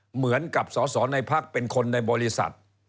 เหมือนกับสอสอในพักเป็นคนในบริษัท